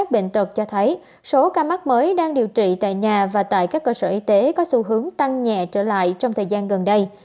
bệnh tật cho thấy số ca mắc mới đang điều trị tại nhà và tại các cơ sở y tế có xu hướng tăng nhẹ trở lại trong thời gian gần đây